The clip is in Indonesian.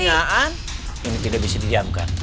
iyaan ini tidak bisa didiamkan